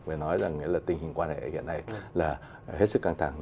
mình nói là nghĩa là tình hình quan hệ hiện nay là hết sức căng thẳng